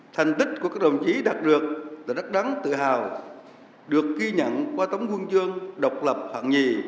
thành tích của các đồng chí đạt được là đắt đắn tự hào được ghi nhận qua tấm quân chương độc lập hoặc nhì